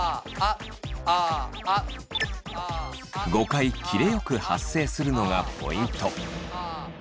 ５回切れよく発声するのがポイント！